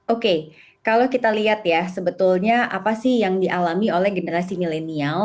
oke kalau kita lihat ya sebetulnya apa sih yang dialami oleh generasi milenial